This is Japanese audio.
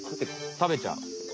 食べちゃう。